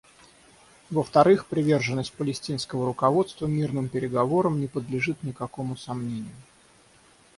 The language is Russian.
Во-вторых, приверженность палестинского руководства мирным переговорам не подлежит никакому сомнению.